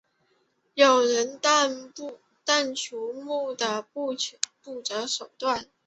有人但求目的不择手段。